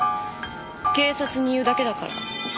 警察に言うだけだから。